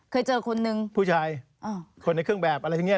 เคยเจอคนนึงพูดชายคนในเครื่องแบบอะไรที่นี่นะ